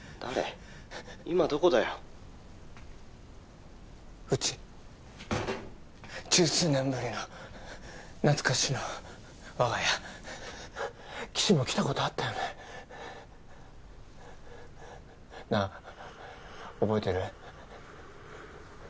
☎今どこだようち十数年ぶりの懐かしの我が家岸も来たことあったよねなあ覚えてる？